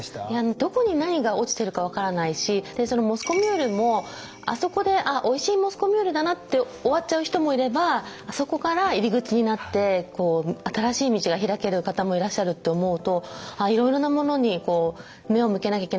どこに何が落ちてるか分からないしそのモスコミュールもあそこでおいしいモスコミュールだなで終わっちゃう人もいればあそこから入り口になって新しい道が開ける方もいらっしゃるって思うといろいろなものに目を向けなきゃいけないなと。